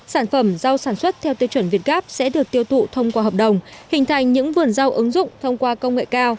sản phẩm rau sản xuất theo tiêu chuẩn việt gáp sẽ được tiêu thụ thông qua hợp đồng hình thành những vườn rau ứng dụng thông qua công nghệ cao